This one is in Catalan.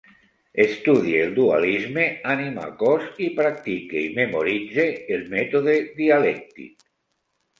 Estudie el dualisme ànima-cos i practique i memoritze el mètode dialèctic.